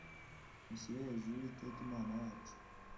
mushyire hejuru uwiteka imana yacu,